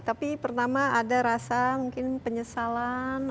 tapi pertama ada rasa mungkin penyesalan